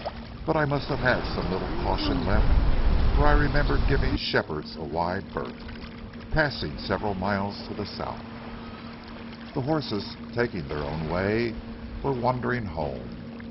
But I must have had some little caution left, for I remember giving Shepherd's a wide berth, passing several miles to the south. The horses, taking their own way, were wandering home.